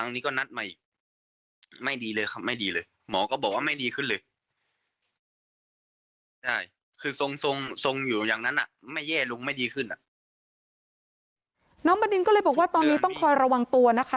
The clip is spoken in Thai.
น้องบรินก็เลยบอกว่าตอนนี้ต้องคอยระวังตัวนะคะ